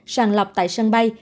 sàn lọc tại sân bay